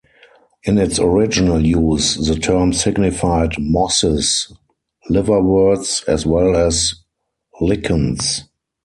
In its original use the term signified mosses, liverworts as well as lichens.